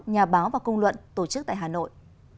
nhà báo và công luận tổ chức tại hà nội